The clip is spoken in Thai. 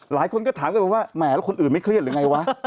หลายคนก็ถามกันไปว่าแหมแล้วคนอื่นไม่เครียดหรือไงวะ